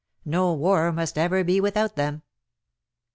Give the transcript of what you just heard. No war must ever be without them.